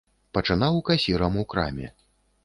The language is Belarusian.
Пачынаў касірам у краме.